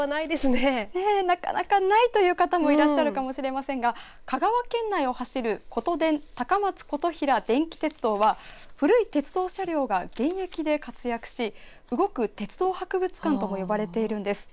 ねえ、なかなかないという方もいらっしゃるかもしれませんが香川県内を走る、ことでん高松琴平電気鉄道は古い鉄道車両が現役で活躍し動く鉄道博物館とも呼ばれているんです。